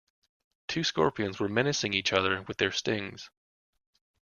Two scorpions were menacing each other with their stings.